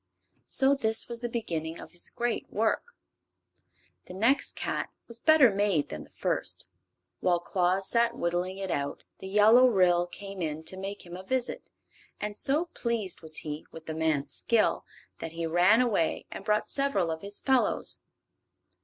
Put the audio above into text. So this was the beginning of his great work. The next cat was better made than the first. While Claus sat whittling it out the Yellow Ryl came in to make him a visit, and so pleased was he with the man's skill that he ran away and brought several of his fellows.